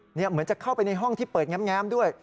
เหมือนจะเข้าไปในห้องที่เปิดแง้มด้วย